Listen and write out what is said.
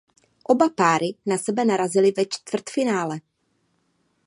Oba páry na sebe narazily ve čtvrtfinále.